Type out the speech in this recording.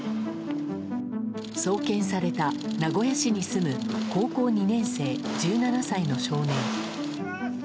送検された名古屋市に住む高校２年生、１７歳の少年。